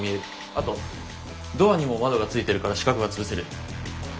あとドアにも窓がついてるから死角は潰せる。